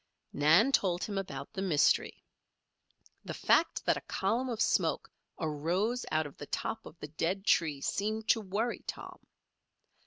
Nan told him about the mystery. The fact that a column of smoke arose out of the top of the dead tree seemed to worry Tom.